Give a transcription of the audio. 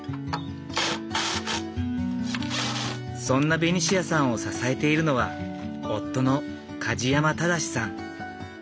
そんなベニシアさんを支えているのは夫の梶山正さん。